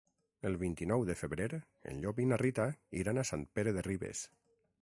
El vint-i-nou de febrer en Llop i na Rita iran a Sant Pere de Ribes.